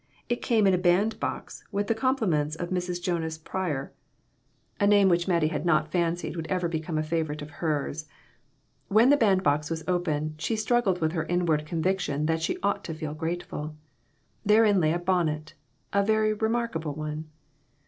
It came in a bandbox, with the compliments of Mrs. Jonas Pryor a name which Mattie had not fancied BONNETS, AND BURNS, AND BURDENS. 8/ would ever become a favorite of hers. When the bandbox was opened, she struggled with her , inward conviction that she ought to feel grate ful. Therein lay a bonnet a very remarkable one.